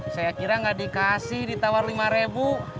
saya kira nggak dikasih ditawar rp lima